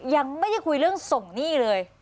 ยังไม่ได้คุยเรื่องส่งหนี้เลย